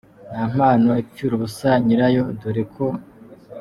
Nta mpano ipfira ubusa nyirayo dore ko.